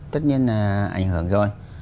tất nhiên là ảnh hưởng rồi